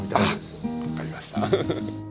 あ分かりました。